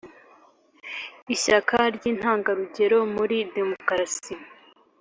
Ishyaka ry’intangarugero muri demokarasi